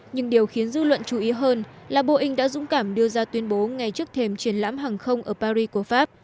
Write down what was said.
nhưng điều khiến dư luận chú ý hơn là boeing đã dũng cảm đưa ra tuyên bố ngay trước thềm triển lãm hàng không ở paris của pháp